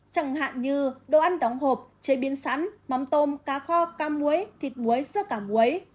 chẳng hạn như đồ ăn đóng hộp chế biến sẵn mắm tôm cá kho cá muối thịt muối dưa cả muối